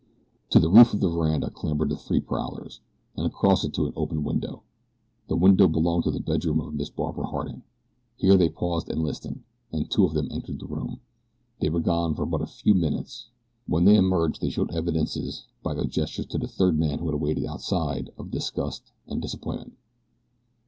To the roof of the veranda clambered the three prowlers, and across it to an open window. The window belonged to the bedroom of Miss Barbara Harding. Here they paused and listened, then two of them entered the room. They were gone for but a few minutes. When they emerged they showed evidences, by their gestures to the third man who had awaited outside, of disgust and disappointment.